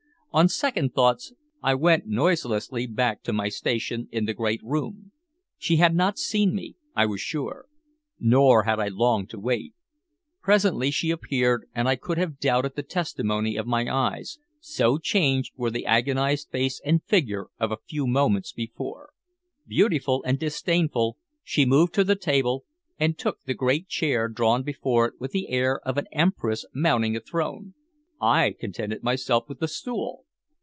On second thoughts, I went noiselessly back to my station in the great room. She had not seen me, I was sure. Nor had I long to wait. Presently she appeared, and I could have doubted the testimony of my eyes, so changed were the agonized face and figure of a few moments before. Beautiful and disdainful, she moved to the table, and took the great chair drawn before it with the air of an empress mounting a throne. I contented myself with the stool.